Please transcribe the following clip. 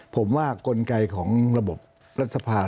ผมว่ากลไกของระบบรัฐสภา